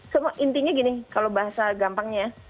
so intinya gini kalau bahasa gampangnya ya